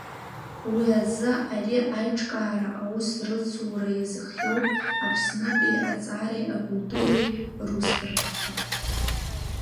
Уи азы ари аиҿкаара аус рыцура иазыхиоуп Аԥснытәи аҵареи акультуреи русбарҭақәа.